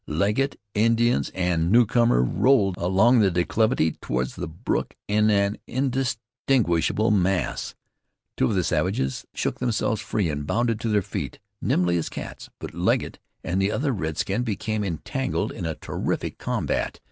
Legget, Indians, and newcomer rolled along the declivity toward the brook in an indistinguishable mass. Two of the savages shook themselves free, and bounded to their feet nimbly as cats, but Legget and the other redskin became engaged in a terrific combat.